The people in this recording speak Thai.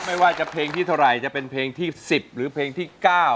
ไม่ว่าจะเป็นเพลงที่๑๐หรือเพลงที่๙